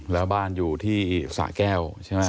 แล้วบ้านอยู่ที่สะแก้วใช่ไหม